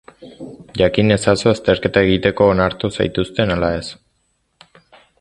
Jakin ezazu azterketa egiteko onartu zaituzten ala ez.